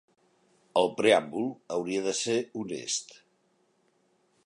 El preàmbul hauria de ser honest.